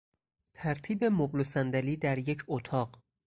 ترتیب مبل و صندلی در یک اتاق